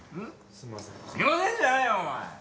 すみませんじゃねえよお前！